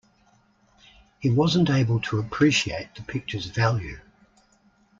He wasn't able to appreciate the picture’s value.